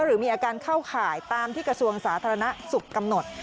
หรือมีอาการเข้าข่ายตามที่กระทรวงสาธารณสุขกำหนด